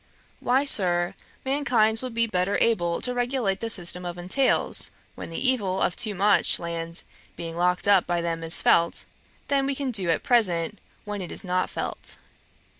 'Why, Sir, mankind will be better able to regulate the system of entails, when the evil of too much land being locked up by them is felt, than we can do at present when it is not felt.'